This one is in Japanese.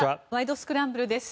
スクランブル」です。